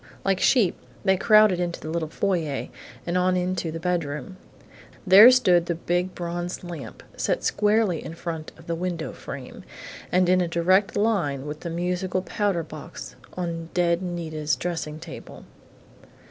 Like sheep, they crowded into the little foyer and on into the bedroom. There stood the big bronze lamp, set squarely in front of the window frame and in a direct line with the musical powder box on dead Nita's dressing table.